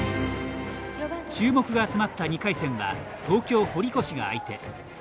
注目が集まった２回戦は東京・堀越が相手。